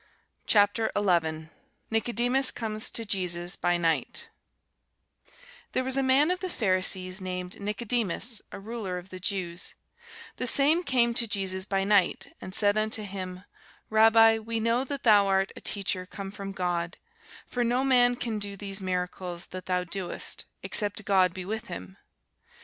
CHAPTER 11 NICODEMUS COMES TO JESUS BY NIGHT THERE was a man of the Pharisees, named Nicodemus, a ruler of the Jews: the same came to Jesus by night, and said unto him, Rabbi, we know that thou art a teacher come from God: for no man can do these miracles that thou doest, except God be with him.